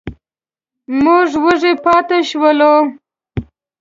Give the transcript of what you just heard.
موږ وږي پاتې شولو.